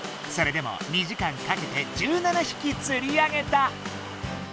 それでも２時間かけて１７ひきつり上げた。